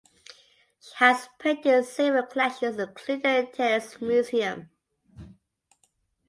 She has paintings in several collections including the Teylers Museum.